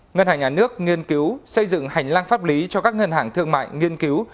ngân hàng nhà nước nghiên cứu xây dựng hành lang pháp lý cho các ngân hàng thương mại nghiên cứu